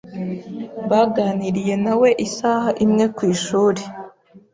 Baganiriye nawe isaha imwe ku ishuri.